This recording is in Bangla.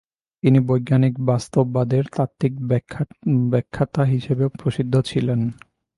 তিনি বৈজ্ঞানিক বস্তুবাদের তাত্ত্বিক ব্যাখ্যাতা হিসাবেও প্রসিদ্ধ ছিলেন।